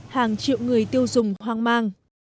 hàng triệu người tiêu dùng hoang mang